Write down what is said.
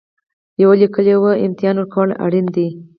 یوه لیکلې ازموینه ورکول اړین دي.